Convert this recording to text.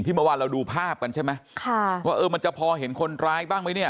เมื่อวานเราดูภาพกันใช่ไหมค่ะว่าเออมันจะพอเห็นคนร้ายบ้างไหมเนี่ย